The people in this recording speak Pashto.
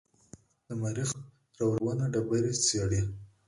د مریخ روورونه ډبرې څېړي.